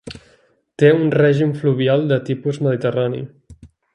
Té un règim fluvial de tipus mediterrani.